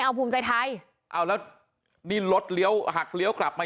เอ้าแล้วนี่รถหักเลี้ยวกลับมา